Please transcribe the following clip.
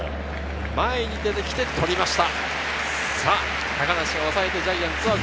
前に出てきて、捕りました。